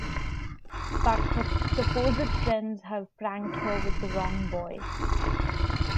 But her supposed friends have pranked her with the wrong boy.